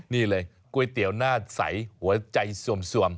นี่เลยก๋วยเตี๋ยวหน้าใสหัวใจสวม